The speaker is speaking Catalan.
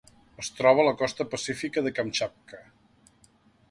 Es troba a la costa pacífica de Kamtxatka.